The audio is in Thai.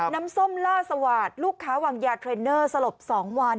น้ำส้มล่าสวาดลูกค้าวางยาเทรนเนอร์สลบ๒วัน